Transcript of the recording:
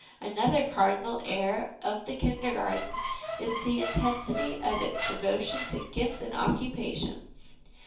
1 "Another cardinal error of the Kindergarten is the intensity of its devotion to gifts and occupations.